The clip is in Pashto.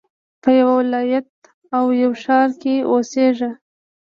په يوه ولايت او يوه ښار کښي اوسېږه!